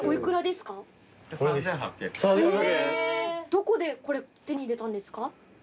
どこでこれ手に入れたんですか？